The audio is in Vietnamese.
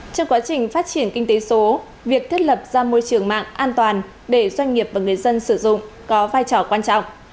trong quá trình phát triển kinh tế số việc thiết lập ra môi trường mạng an toàn để doanh nghiệp và người dân sử dụng có vai trò quan trọng